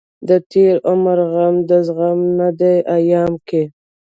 دتېر عمر غم دزغم نه دی ايام کې